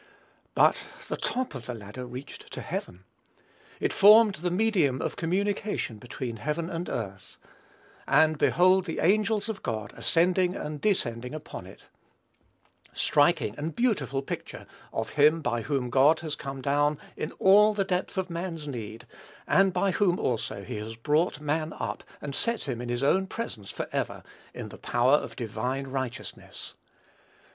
But "the top of the ladder reached to heaven." It formed the medium of communication between heaven and earth; and "behold the angels of God ascending and descending upon it," striking and beautiful picture of him by whom God has come down into all the depth of man's need, and by whom also he has brought man up and set him in his own presence forever, in the power of divine righteousness!